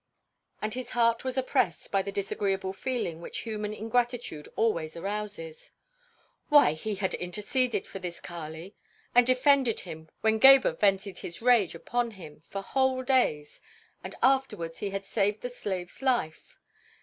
And his heart was oppressed by the disagreeable feeling which human ingratitude always arouses. Why! he had interceded for this Kali and defended him when Gebhr vented his rage upon him for whole days, and afterwards he had saved the slave's life.